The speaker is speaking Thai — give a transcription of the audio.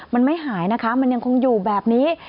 มันไม่หายนะคะมันยังคงอยู่แบบนี้